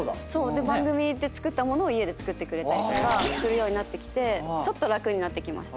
番組で作ったものを家で作ってくれたりとかするようになってきてちょっと楽になってきました。